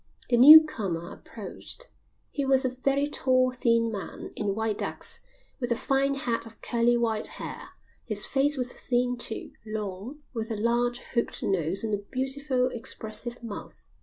The new comer approached. He was a very tall, thin man, in white ducks, with a fine head of curly white hair. His face was thin too, long, with a large, hooked nose and a beautiful, expressive mouth.